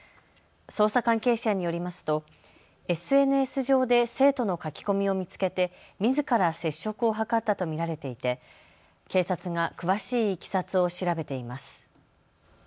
捜査関係者によりますとＳＮＳ上で生徒の書き込みを見つけてみずから接触を図ったと見られていて警察が詳しいいきさつを調べています。